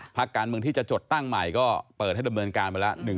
พักการเมืองที่จะจดตั้งใหม่ก็เปิดให้ดำเนินการไปแล้ว